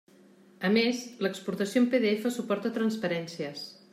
A més, l'exportació en PDF suporta transparències.